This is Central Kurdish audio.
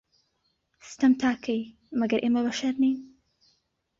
ستەم تا کەی، مەگەر ئێمە بەشەر نین